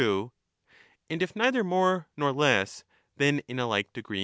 other in And if neither more nor less, then in a like degree